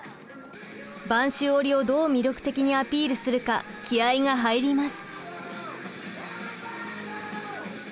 播州織をどう魅力的にアピールするか気合いが入ります。